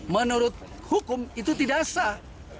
menurut hukum itu tidak sah